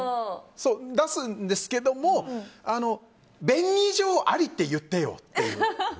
出すんですけども便宜上ありって言ってよという。